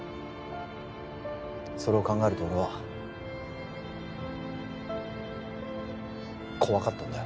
それを考えると俺は怖かったんだよ